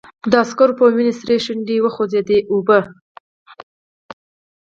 د عسکر په وينو سرې شونډې وخوځېدې: اوبه!